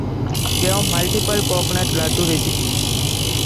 There are multiple coconut laddu recipes.